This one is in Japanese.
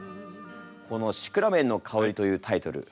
この「シクラメンのかほり」というタイトル。